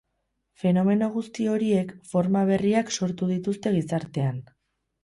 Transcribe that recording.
Fenomeno guzti horiek forma berriak sortu dituzte gizartean.